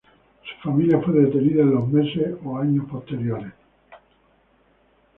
Su familia fue detenida en los meses o años posteriores.